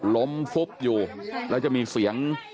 ฟุบอยู่แล้วจะมีเสียง